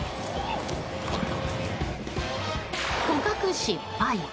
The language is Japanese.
捕獲失敗。